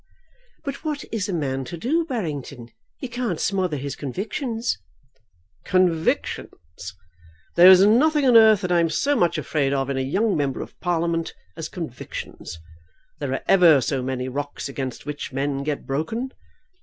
"But what is a man to do, Barrington? He can't smother his convictions." "Convictions! There is nothing on earth that I'm so much afraid of in a young member of Parliament as convictions. There are ever so many rocks against which men get broken.